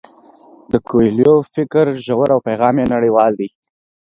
د کویلیو فکر ژور او پیغام یې نړیوال دی.